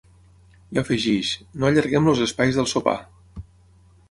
I afegeix: No allarguem els espais del sopar.